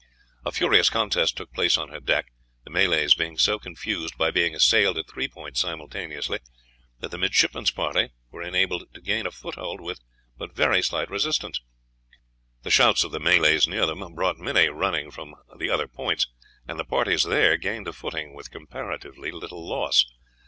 A furious contest took place on her deck, the Malays being so confused by being assailed at three points simultaneously that the midshipmen's party were enabled to gain a footing with but very slight resistance. The shouts of the Malays near them brought many running from the other points, and the parties there gained a footing with comparatively little loss.